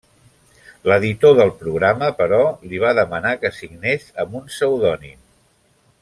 L'editor del programa, però, li va demanar que signés amb un pseudònim.